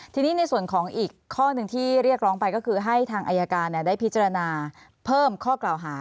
ทีนี้ในส่วนของอีกข้อหนึ่งที่เรียกร้องไปก็คือให้ทางอายการได้พิจารณาเพิ่มข้อกล่าวหา